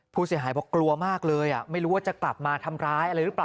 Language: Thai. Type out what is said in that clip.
ผู้เสียหายบอกกลัวมากเลยไม่รู้ว่าจะกลับมาทำร้ายอะไรหรือเปล่า